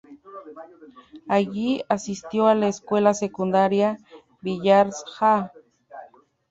Allí asistió a la escuela secundaria Byars-Hall.